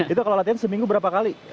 itu kalau latihan seminggu berapa kali